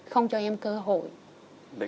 không cho em cơ hội